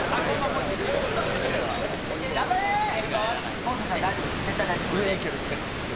昴生さん、大丈夫、絶対いける。